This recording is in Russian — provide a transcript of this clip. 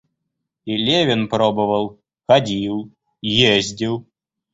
И Левин пробовал, ходил, ездил.